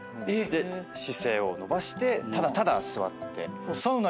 で姿勢を伸ばしてただただ座って。